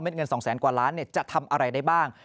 เงิน๒แสนกว่าล้านจะทำอะไรได้บ้าง